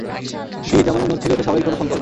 ডিজ আমার মনে হচ্ছিল এটা স্বাভাবিক কোনো ফোন কল না।